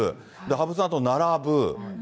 羽生さんと並ぶ。